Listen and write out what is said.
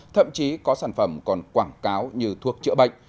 thậm chí có sản phẩm còn quảng cáo như thuốc chữa bệnh